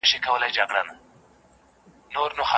لس عدد دئ.